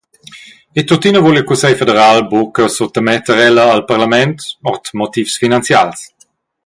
E tuttina vul il cussegl federal buca suttametter ella al parlament, ord motivs finanzials.